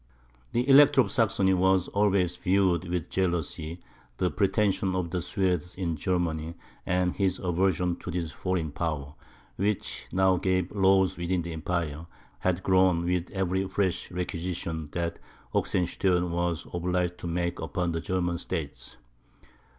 The Elector of Saxony had always viewed with jealousy the pretensions of the Swedes in Germany; and his aversion to this foreign power, which now gave laws within the Empire, had grown with every fresh requisition that Oxenstiern was obliged to make upon the German states.